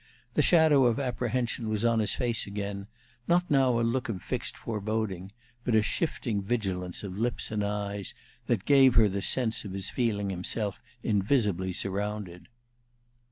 The shadow of apprehension was on his face again, not now a look of fixed foreboding, but a shifting vigilance of lips and eyes that gave her the sense of his feeling himself invisibly surrounded.